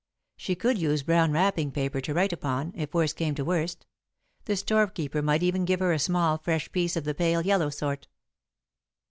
She could use brown wrapping paper to write upon, if worst came to worst the storekeeper might even give her a small, fresh piece of the pale yellow sort.